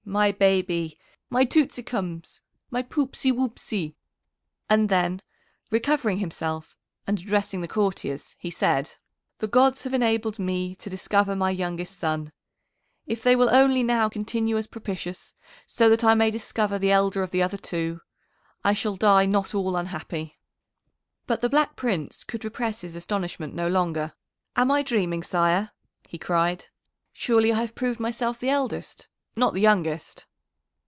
my baby! my tootsicums! my popsy wopsy!" And then, recovering himself, and addressing the courtiers, he said: "The gods have enabled me to discover my youngest son. If they will only now continue as propitious, so that I may discover the elder of the other two, I shall die not all unhappy." [Illustration: "'THE GODS HAVE ENABLED ME TO DISCOVER MY YOUNGEST SON.'"] But the Black Prince could repress his astonishment no longer. "Am I dreaming, sire?" he cried. "Surely I have proved myself the eldest, not the youngest!"